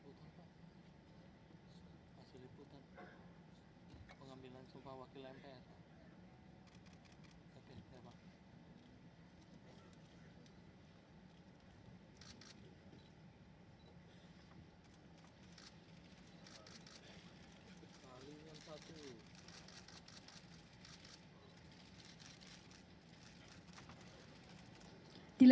untuk mewujudkan tujuan nasional